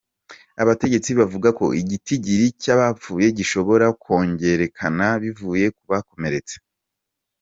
Abategetsi bavuga ko igitigiri c'abapfuye gishobora kwongerekana bivuye ku bakomeretse.